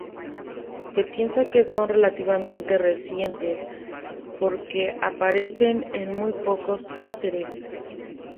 Se piensa que son relativamente recientes, porque aparecen en muy pocos cráteres.